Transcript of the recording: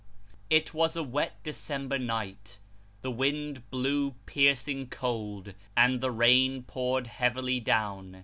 It was a wet December night ; the wind blew piercing cold, and the rain poured heavily down.